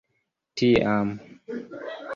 tiam